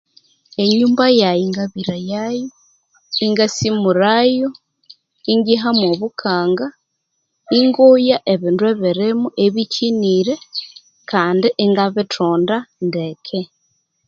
Inyumba yayi ngabirayayu ingasimuragho ingiha mobukanga ingoya ibindu ibirimo ebikinire kandi ingabithonda ndeke